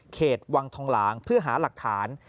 วังทองหลางเพื่อหาหลักฐาน